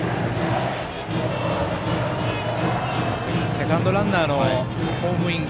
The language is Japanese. セカンドランナーのホームイン